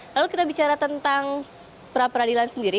lalu kita bicara tentang perapradilan sendiri